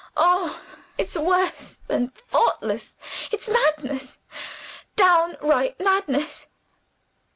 Oh, it's worse than thoughtless it's madness, downright madness."